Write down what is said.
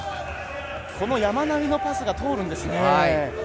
山なりのパスが通るんですね。